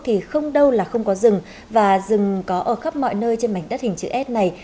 thì không đâu là không có rừng và rừng có ở khắp mọi nơi trên mảnh đất hình chữ s này